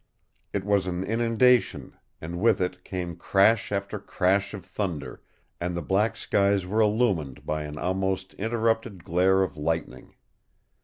It was an inundation, and with it came crash after crash of thunder, and the black skies were illumined by an almost uninterrupted glare of lightning.